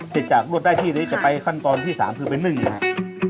เสร็จจากรวดได้ที่นี่จะไปขั้นตอนที่๓คือเป็น๑นะครับ